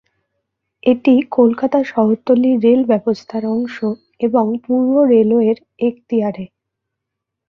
এটি কলকাতা শহরতলির রেল ব্যবস্থার অংশ এবং পূর্ব রেলওয়ের এখতিয়ারে।